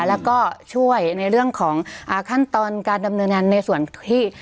แล้วก็ช่วยในเรื่องของขั้นตอนการดำเนินงานในส่วนที่